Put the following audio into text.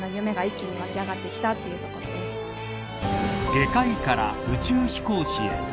外科医から宇宙飛行士へ。